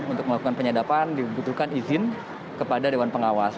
untuk melakukan penyadapan dibutuhkan izin kepada dewan pengawas